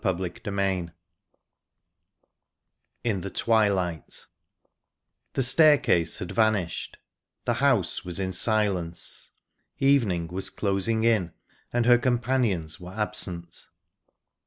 Chapter XVII IN THE TWILIGHT The staircase had vanished, the house was in silence, evening was closing in, and her companions were absent.